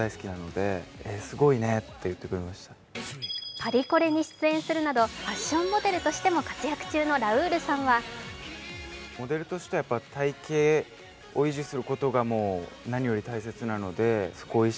パリコレに出演するなどファッションモデルとしても活躍中のラウールさんはラウールさん、ありがとうございました。